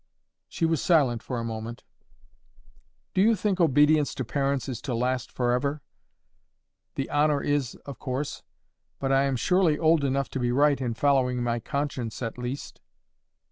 She was silent for a moment. "Do you think obedience to parents is to last for ever? The honour is, of course. But I am surely old enough to be right in following my conscience at least."